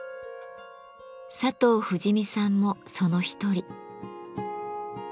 佐藤富士美さんもその一人。